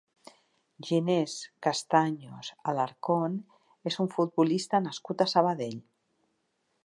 Ginés Castaños Alarcón és un futbolista nascut a Sabadell.